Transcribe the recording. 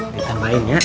saya tambahin ya